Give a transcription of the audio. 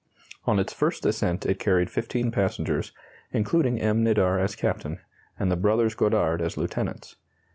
On its first ascent it carried 15 passengers, including M. Nadar as captain, and the brothers Godard as lieutenants.